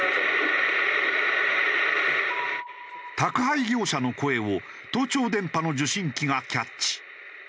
宅配業者の声を盗聴電波の受信機がキャッチ。